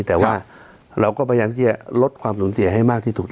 แต่ว่าเราก็พยายามที่จะลดความสูญเสียให้มากที่สุด